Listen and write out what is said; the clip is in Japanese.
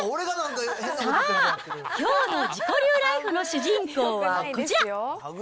さあ、きょうの自己流ライフの主人公はこちら。